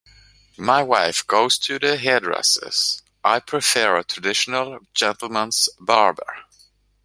My wife goes to the hairdressers; I prefer a traditional gentleman's barber.